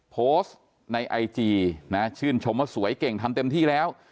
โพสต์ในไอจีนะชื่นชมว่าสวยเก่งทำเต็มที่แล้ว